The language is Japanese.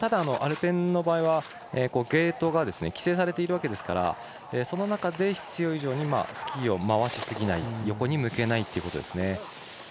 アルペンの場合はゲートが規制されていますからその中で必要以上にスキーを回しすぎない横に向けないということですね。